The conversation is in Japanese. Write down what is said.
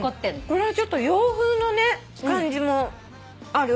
これはちょっと洋風の感じもある。